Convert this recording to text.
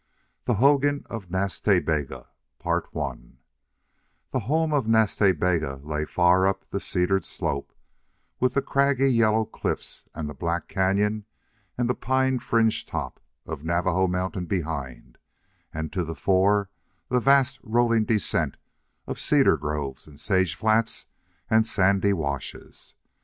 THE HOGAN OF NAS TA BEGA The home of Nas Ta Bega lay far up the cedared slope, with the craggy yellow cliffs and the black cañon and the pine fringed top of Navajo Mountain behind, and to the fore the vast, rolling descent of cedar groves and sage flats and sandy washes.